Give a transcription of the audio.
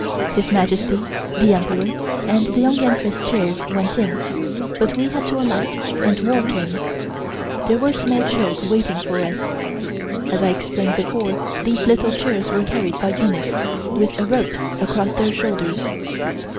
His Majesty, the Emperor, and the Young Empress' chairs went in, but we had to alight and walk in. There were small chairs waiting for us. (As I explained before these little chairs were carried by eunuchs, with a rope across their shoulders.)